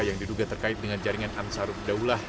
yang diduga terkait dengan jaringan ansaruf daulah